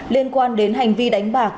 liên quan đến hành vi đánh bạc